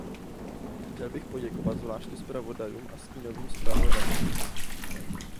Chtěl bych poděkovat zvláště zpravodajům a stínovým zpravodajům.